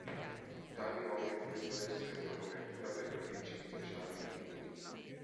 Tali nomi potrebbero essere una copertura per le origini sociali umili.